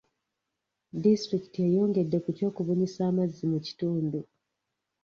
Disitulikiti eyongedde ku ky'okubunyisa amazzi mu kitundu.